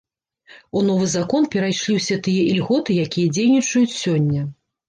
У новы закон перайшлі ўсе тыя ільготы, якія дзейнічаюць сёння.